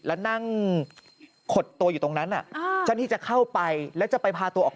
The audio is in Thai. แล้วนั่งขดตัวอยู่ตรงนั้นอ่ะจะเข้าไปแล้วจะไปพาตัวออก